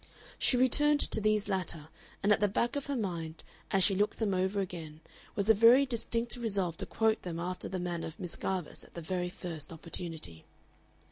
She returned to these latter, and at the back of her mind, as she looked them over again, was a very distinct resolve to quote them after the manner of Miss Garvice at the very first opportunity.